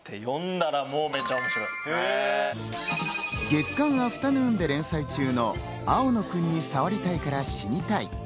『月刊アフタヌーン』で連載中の『青野くんに触りたいから死にたい』。